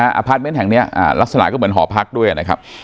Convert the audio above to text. อาพาทแบบนี้ลักษณะก็เหมือนหอพักด้วยนะครับ